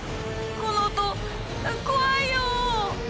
この音怖いよ！